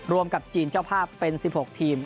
กับจีนเจ้าภาพเป็น๑๖ทีม